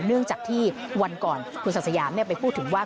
เนื่องจากที่วันก่อนคุณศักดิ์สยามไปพูดถึงว่า